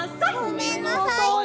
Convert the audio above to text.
ごめんなさい。